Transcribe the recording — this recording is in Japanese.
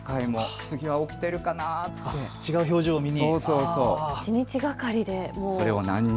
次は起きてるかなあって違う表情を見に。